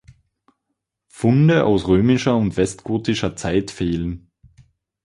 Funde aus römischer und westgotischer Zeit fehlen.